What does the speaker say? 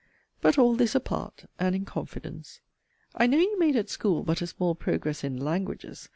But, all this 'apart,' and 'in confidence.' I know you made at school but a small progress in 'languages.'